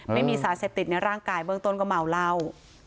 ไม่มีสารเสพติดในร่างกายเบื้องต้นก็เมาเหล้า